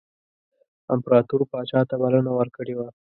امپراطور پاچا ته بلنه ورکړې وه.